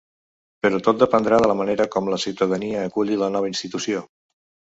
Però tot dependrà de la manera com la ciutadania aculli la nova institució.